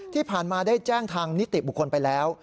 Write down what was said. ที่ผ่านมาได้แจ้งทางนิติบุคคลไปแล้ว